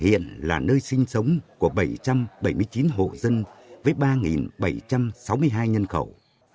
hiện là nơi sinh sống của bảy trăm bảy mươi chín hộ dân với ba bảy trăm sáu mươi hai nhân khẩu